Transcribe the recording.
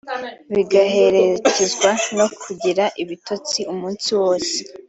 bigaherekezwa no kugira ibitotsi umunsi wose